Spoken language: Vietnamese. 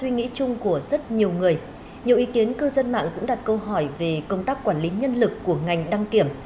nhiều ý kiến cư dân mạng cũng đặt câu hỏi về công tác quản lý nhân lực của ngành đăng kiểm